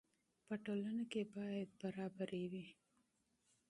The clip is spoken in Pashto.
په ټولنه کې باید انصاف موجود وي.